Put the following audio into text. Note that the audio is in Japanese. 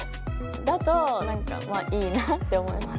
だとなんかまあいいなって思います。